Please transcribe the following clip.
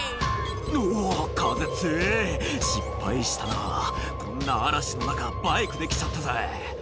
「うわ風強えぇ」「失敗したなこんな嵐の中バイクで来ちゃったぜ」